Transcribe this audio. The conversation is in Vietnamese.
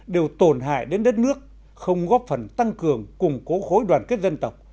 đều tổn hại đến đất nước không góp phần tăng cường củng cố khối đoàn kết dân tộc